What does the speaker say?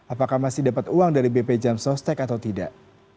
apakah masih dapat uang dari bpjs atau tidak